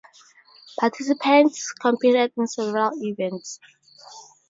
Participants competed in several events.